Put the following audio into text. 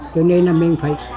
cho nên là mình phải